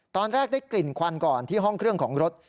ตอนแรกได้กลิ่นควันก่อนที่ห้องเครื่องของรถ